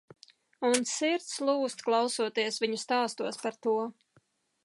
Un sirds lūzt klausoties viņu stāstos par to.